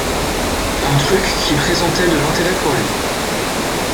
un truc qui présentait de l’intérêt pour lui,